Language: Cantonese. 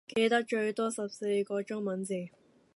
記得最多十四個中文字